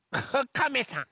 カメさん。